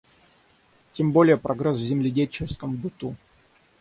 Тем более прогресс в земледельческом быту.